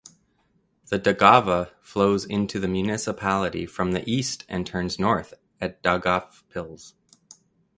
The Daugava flows into the municipality from the east and turns north at Daugavpils.